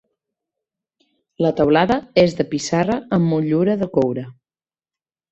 La teulada és de pissarra amb motllura de coure.